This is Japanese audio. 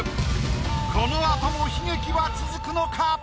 この後も悲劇は続くのか？